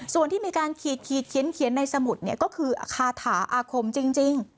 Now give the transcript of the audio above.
ส่วนที่มีการขีดเขียนในสมุดเนี่ยก็คือคาถาอาคมจริง